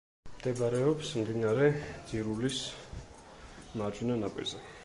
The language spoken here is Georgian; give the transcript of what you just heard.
მდებარეობს მდინარე ძირულის მარჯვენა ნაპირზე.